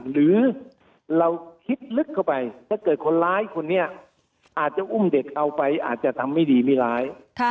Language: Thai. หรือเราคิดลึกเข้าไปถ้าเกิดคนร้ายคนนี้อาจจะอุ้มเด็กเอาไปอาจจะทำไม่ดีไม่ร้าย